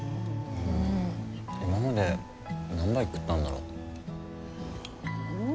うん今まで何杯食ったんだろう。ん？